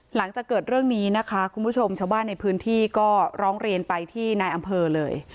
หลังจากเกิดเรื่องนี้นะคะคุณผู้ชมชาวบ้านในพื้นที่ก็ร้องเรียนไปที่นายอำเภอเลย